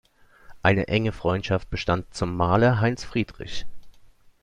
Eine enge Freundschaft bestand zum Maler Heinz Friedrich.